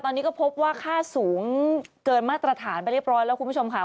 ตอนนี้ก็พบว่าค่าสูงเกินมาตรฐานไปเรียบร้อยแล้วคุณผู้ชมค่ะ